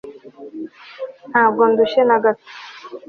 ntabwo ndushye na gato